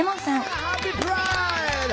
ハッピープライド！